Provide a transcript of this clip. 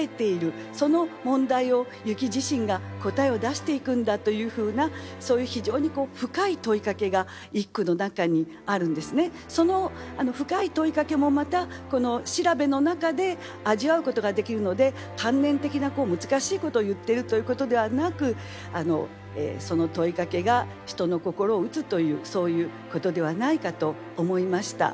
その問題を雪自身が答えを出していくんだというふうなその深い問いかけもまた調べの中で味わうことができるので観念的な難しいことを言っているということではなくそういうことではないかと思いました。